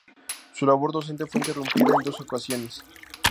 Su labor docente fue interrumpida en dos ocasiones.